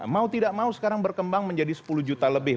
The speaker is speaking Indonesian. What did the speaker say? mau tidak mau sekarang berkembang menjadi sepuluh juta lebih